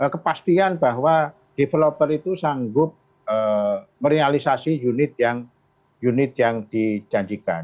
kepastian bahwa developer itu sanggup merealisasi unit yang dijanjikan